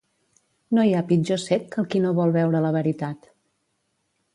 No hi ha pitjor cec que el qui no vol veure la veritat.